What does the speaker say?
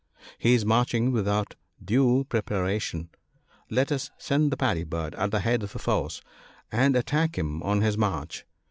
" He is marching without due preparation ; let us send the Paddy bird at the head of a force and attack him on his march."